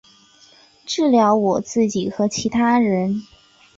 治疗我自己和其他人